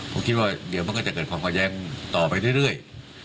ผมคิดว่าเดี๋ยวมันก็จะเกิดความกระแย้งต่อไปเรื่อย